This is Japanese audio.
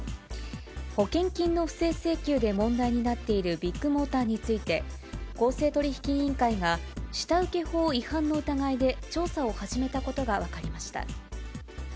保険金の不正請求で問題になっているビッグモーターについて、公正取引委員会が、下請法違反の疑いで調査を始めたことが分かりました。